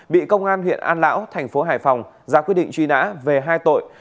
bị công an huyện an lão tp hải phòng ra quyết định truy nã về hai tội